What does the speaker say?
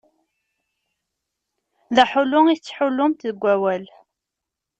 D aḥullu i tettḥullumt deg wawal.